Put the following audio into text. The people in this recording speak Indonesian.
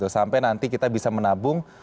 sampai nanti kita bisa menabung